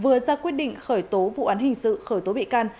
vừa ra quyết định khởi tố vụ án hình sự khởi tố bị can